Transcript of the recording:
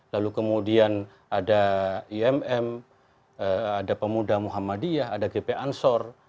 lalu kemudian ada imm ada pemuda muhammadiyah ada gp ansor